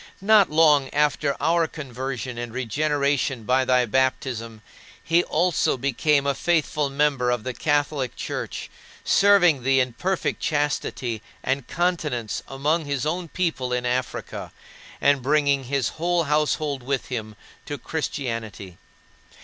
Not long after our conversion and regeneration by thy baptism, he also became a faithful member of the Catholic Church, serving thee in perfect chastity and continence among his own people in Africa, and bringing his whole household with him to Christianity.